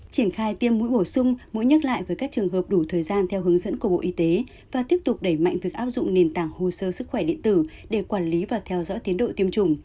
triển khai tiêm mũi bổ sung mũi nhắc lại với các trường hợp đủ thời gian theo hướng dẫn của bộ y tế và tiếp tục đẩy mạnh việc áp dụng nền tảng hồ sơ sức khỏe điện tử để quản lý và theo dõi tiến độ tiêm chủng